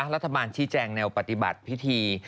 รัฐบาลชี้แจงแนวปฏิบัติพิธี